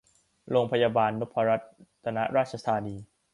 โรงพยาบาลนพรัตนราชธานี